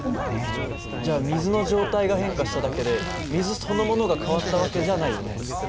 じゃあ水の状態が変化しただけで水そのものが変わった訳じゃないよね。